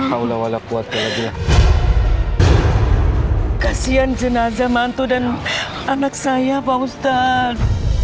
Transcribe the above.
ustaz allah allah kuatnya dia kasihan jenazah mantu dan anak saya pak ustaz